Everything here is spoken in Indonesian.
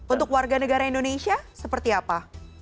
untuk warga negara indonesia seperti apa